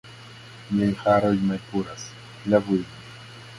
Miaj haroj malpuras. Mi lavu ilin.